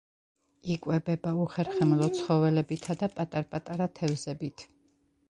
იკვებება უხერხემლო ცხოველებითა და პატარ-პატარა თევზებით.